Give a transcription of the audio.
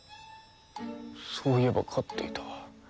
そういえば飼っていた。